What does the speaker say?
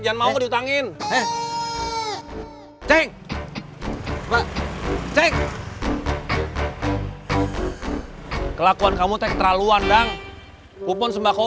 jangan mau gue diutangin